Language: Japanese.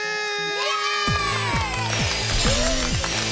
イエーイ！